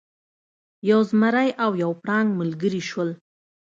یو زمری او یو پړانګ ملګري شول.